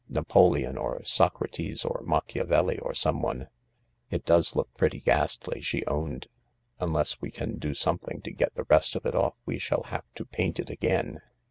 Napoleon or Socrates or Machiavelli or someone. It does look pretty ghastly," she owned; "unless we can do something to get the rest of it off we shall have to paint it again."